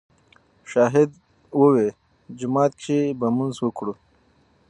شاهد ووې جومات کښې به مونځ وکړو